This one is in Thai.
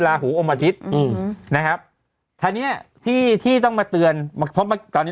ลาฮูโอมไพรส์นะครับที่ต้องมาเตือนตอนนี้